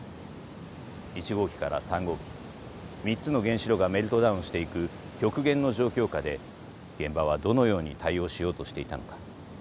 １号機から３号機３つの原子炉がメルトダウンしていく極限の状況下で現場はどのように対応しようとしていたのか。